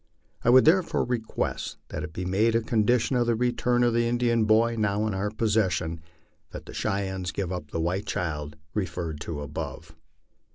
I would therefore request that it be made a condition of the return of the Indian boy now in our possession, that the Cheyennes give up the white child referred to above."